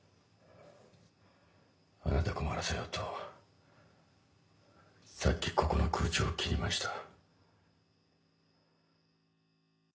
あなた困らせようとさっきここの空調を切りました。